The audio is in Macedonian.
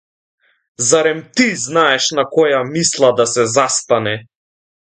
Зарем ти знаеш на која мисла да се застане!